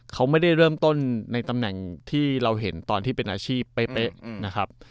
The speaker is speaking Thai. เขาไม่ได้เริ่มต้นในตำแหน่งที่เราเห็นตอนที่เป็นอาชีพเป๊ะนะครับ